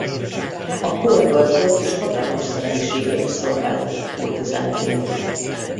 A kor gazdag és hatalmas személyiségeit szolgálta ki kurtizánként.